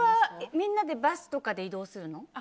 みんなでバスとかで移動するの？